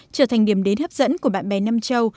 trở thành điểm đến hấp dẫn của bạn bè nam châu